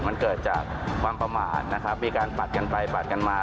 มันเกิดจากความประมาทนะครับมีการปัดกันไปปัดกันมา